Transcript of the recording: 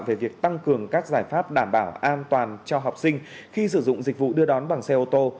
về việc tăng cường các giải pháp đảm bảo an toàn cho học sinh khi sử dụng dịch vụ đưa đón bằng xe ô tô